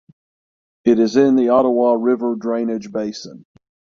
It is in the Ottawa River drainage basin.